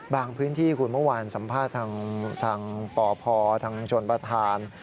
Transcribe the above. พื้นที่คุณเมื่อวานสัมภาษณ์ทางปพทางชนประธาน